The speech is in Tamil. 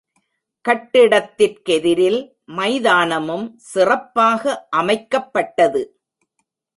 கட்டிடத்திற் கெதிரில் மைதானமும் சிறப்பாக அமைக்கப்பட்டது.